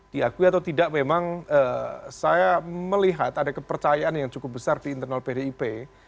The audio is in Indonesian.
diakui atau tidak memang saya melihat ada kepercayaan yang cukup besar di internal pdip